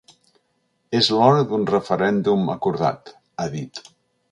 “És l’hora d’un referèndum acordat”, ha dit.